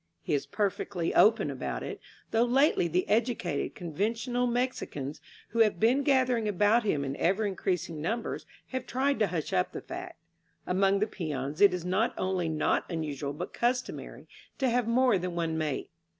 He is perfectly open about it, though lately the educated, conventional Mexicans who have been gathering about him in ever increasing num bers have tried to hush up the fact. Among the peons it is not only not unusual but customary to have more than one mate.